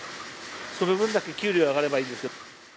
その分だけ給料上がればいいですけど。